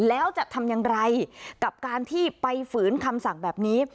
แล้วจะทำอย่างไรกับการที่ไปฝืนคำสั่งแบบนี้